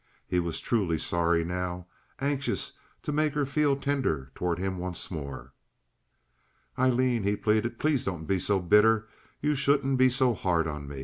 He was truly sorry now—anxious to make her feel tender toward him once more. "Aileen," he pleaded, "please don't be so bitter. You shouldn't be so hard on me.